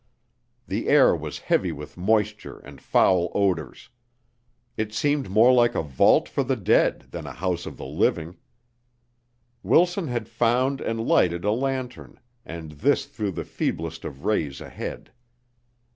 The air was heavy with moisture and foul odors. It seemed more like a vault for the dead than a house of the living. Wilson had found and lighted a lantern and this threw the feeblest of rays ahead.